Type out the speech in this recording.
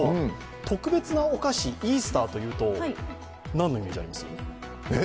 特別なお菓子、イースターというと、何のイメージあります？